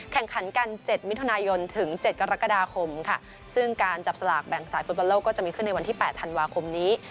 แข่งขันกัน๗มิถุนายนถึง๗กรกฎาคมค่ะซึ่งการจับสลากแบ่งสายฟุตบอลโลกก็จะมีขึ้นในวันที่๘ธันวาคมนี้